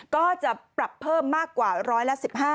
ก็จะปรับเพิ่มมากกว่าร้อยละ๑๕